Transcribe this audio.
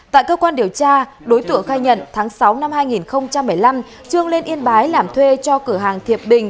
tại cơ quan điều tra đối tượng khai nhận tháng sáu năm hai nghìn một mươi năm trương lên yên bái làm thuê cho cửa hàng thiệp bình